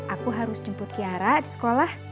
aku harus jemput kiara di sekolah